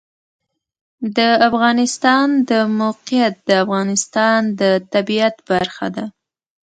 د افغانستان د موقعیت د افغانستان د طبیعت برخه ده.